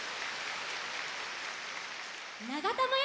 ながたまやです！